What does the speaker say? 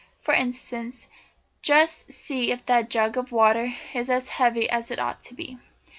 For instance, just see if that jug of water is as heavy as it ought to be."